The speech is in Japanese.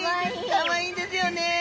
かわいいんですよね。